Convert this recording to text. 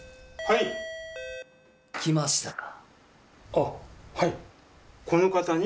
あっはい。